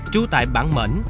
trú tại bảng mệnh